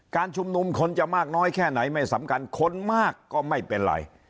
การชุมนุมคนจะมากน้อยแค่ไหนไม่สำคัญคนมากก็ไม่เป็นไร